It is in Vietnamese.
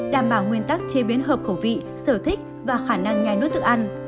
đảm bảo nguyên tắc chế biến hợp khẩu vị sở thích và khả năng nhai nốt thức ăn